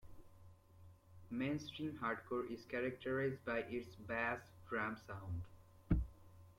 Mainstream hardcore is characterized by its bass drum sound.